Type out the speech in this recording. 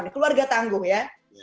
keluarga tangguh ya